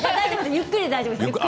ゆっくりで大丈夫です。